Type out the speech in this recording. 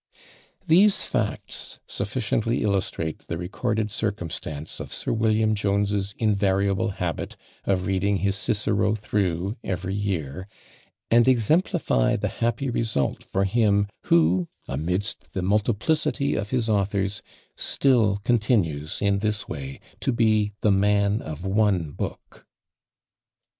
These facts sufficiently illustrate the recorded circumstance of Sir William Jones's invariable habit of reading his Cicero through every year, and exemplify the happy result for him, who, amidst the multiplicity of his authors, still continues in this way to be "the man of one book."